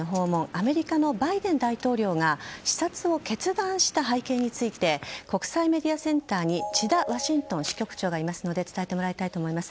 アメリカのバイデン大統領が視察を決断した背景について国際メディアセンターに千田ワシントン支局長がいますので伝えてもらいたいと思います。